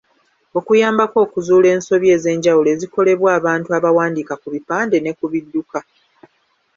Kuyambako okuzuula ensobi ez’enjawulo ezikolebwa abantu abawandiika ku bipande ne ku bidduka.